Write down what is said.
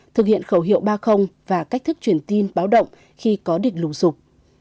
thực hiện khẩu hiệu ba và cách thức truyền tin báo động khi có địch lù sụp